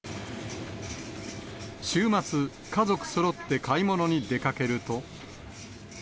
週末、家族そろって買い物に出かけると。